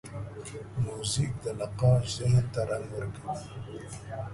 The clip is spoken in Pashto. موزیک د نقاش ذهن ته رنګ ورکوي.